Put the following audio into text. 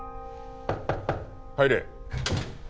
入れ。